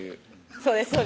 そうです